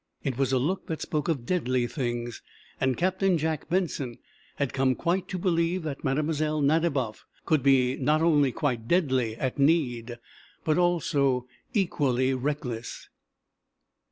It was a look that spoke of deadly, things, and Captain Jack Benson had come quite to believe that Mlle. Nadiboff could be not only quite deadly at need, but also equally reckless.